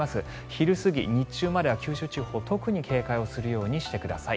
昼過ぎ、日中までは九州地方特に警戒するようにしてください。